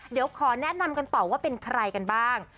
เดี๋ยวขอแนะนำกันต่อว่าเป็นใครกันบ้าง